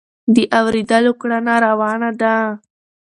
د اورېدلو کړنه روانه ده.